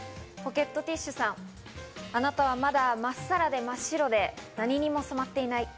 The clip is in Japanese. ポケットティッシュさん、あなたはまだ真っさらで、真っ白で、何にも染まっていない。